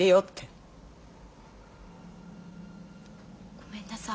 ごめんなさい。